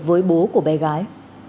với bố của bé gái